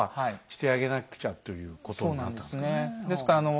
してあげなくちゃということなんですかね。